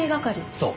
そう。